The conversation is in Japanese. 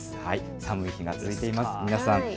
寒い日が続いています。